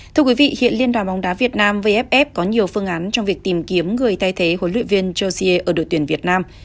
thưa quý vị hiện liên đoàn bóng đá việt nam vff có nhiều phương án trong việc tìm kiếm người thay thế huấn luyện viên georgia ở đội tuyển việt nam